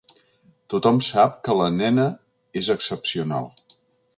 Tothom sap que la nena és excepcional.